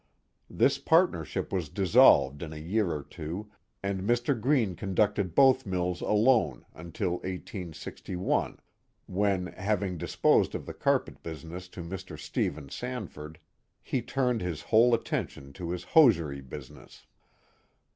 This partnership was dissolved in a year or two, and Mr. Greene conducted both mills alone until 1861, when, having disposed of the carpet business to Mr. Stephen San ford, he turned his whole attention to his hosiery business.